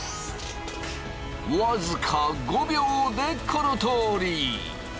僅か５秒でこのとおり！